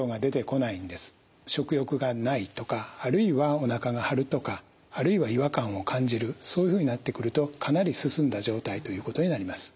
食欲がないとかあるいはおなかが張るとかあるいは違和感を感じるそういうふうになってくるとかなり進んだ状態ということになります。